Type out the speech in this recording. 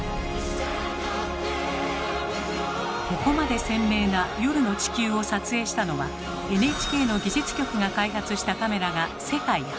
ここまで鮮明な夜の地球を撮影したのはＮＨＫの技術局が開発したカメラが世界初。